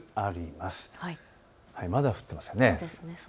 まだ降っていませんね。